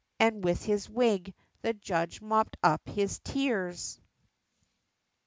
and with his wig, the judge mopped up his tears.